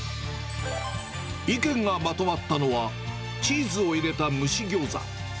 意見がまとまったのはチーズを入れた蒸しギョーザ。